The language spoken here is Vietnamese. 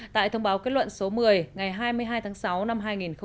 tại thông báo kết luận số một mươi ngày hai mươi hai tháng sáu năm hai nghìn một mươi chín